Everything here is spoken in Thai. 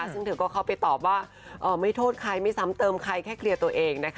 ซึ่งเดี๋ยวกับเขาไปตอบว่าไม่โทษใครไม่สำเติมใครแค่เคลียร์ตัวเองนะคะ